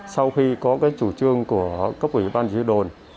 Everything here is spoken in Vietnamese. sau khi có cái chủ trương của cốc ủy ban chương đồng